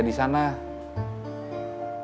dia gak kerja disana